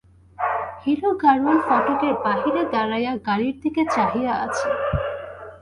হীরু গাড়োয়ান ফটকের বাহিরে দাঁড়াইয়া গাড়ির দিকে চাহিয়া আছে।